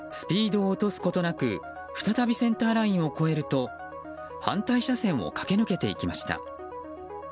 スピードを落とすことなく再びセンターラインを超えると反対車線を駆け抜けていきました。